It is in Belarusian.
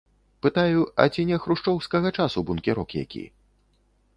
Пытаю, а ці не хрушчоўскага часу бункерок які.